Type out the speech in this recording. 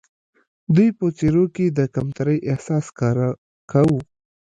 دوی په څېرو کې د کمترۍ احساس ښکاره کاوه.